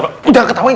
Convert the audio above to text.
udah jangan ketawain